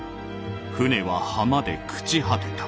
船は浜で朽ち果てた」。